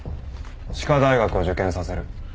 歯科大学を受験させる。